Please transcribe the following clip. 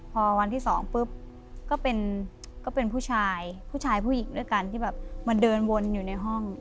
พอวันที่สองปุ๊บก็เป็นผู้ชายผู้หญิงด้วยกันที่แบบมาเดินวนอยู่ในห้อง